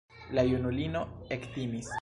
La junulino ektimis.